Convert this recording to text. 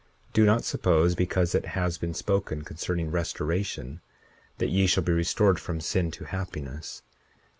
41:10 Do not suppose, because it has been spoken concerning restoration, that ye shall be restored from sin to happiness.